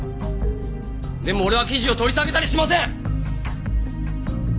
でも俺は記事を取り下げたりしません！